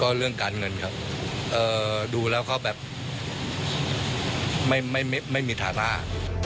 ก็เรื่องการเงินครับดูแล้วก็แบบไม่มีฐานะ